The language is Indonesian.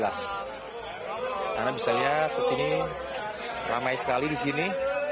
anda bisa lihat saat ini ramai sekali di sini